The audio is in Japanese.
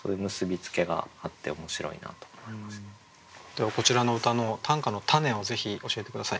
ではこちらの歌の短歌のたねをぜひ教えて下さい。